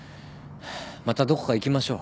またどこか行きましょう。